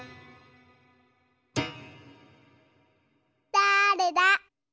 だれだ？